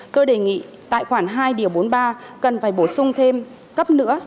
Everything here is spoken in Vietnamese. tôi đề nghị tại khoản hai điều bốn mươi ba cần phải bổ sung thêm cấp nữa